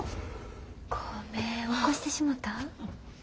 ごめん起こしてしもた？